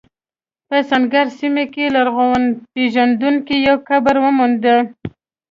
په سنګیر سیمه کې لرغونپېژندونکو یو قبر وموند.